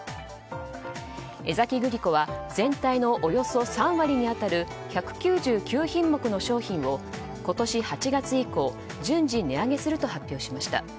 江崎グリコは全体のおよそ３割に当たる１９９品目の商品を今年８月以降順次、値上げすると発表しました。